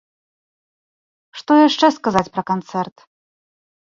Што яшчэ сказаць пра канцэрт?